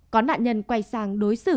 có nạn nhân quay sang đối xử